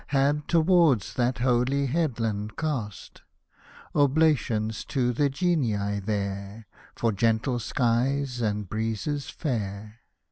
Had toward that holy headland cast — Oblations to the Genii there For gentle skies and breezes fair